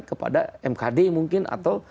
kepada mkd mungkin atau